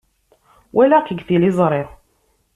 Walaɣ-k deg tliẓri.